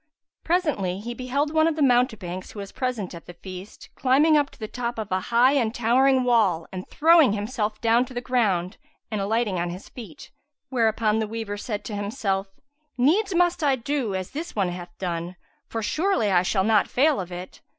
Presently, he beheld one of the mountebanks, who was present at the feast, climbing up to the top of a high and towering wall and throwing himself down to the ground and alighting on his feet. Whereupon the waver said to himself, "Needs must I do as this one hath done, for surely I shall not fail of it."